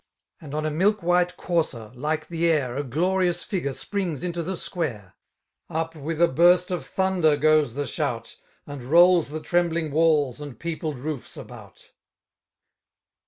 '' And on a milk white courser, like the air, A glorious figure springs into the square $ Up, with a burst of thunder, goeis ihe shout. And rplls the trembling walls and peopled roofe about.